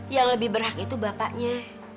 yang lebih berhak itu bapaknya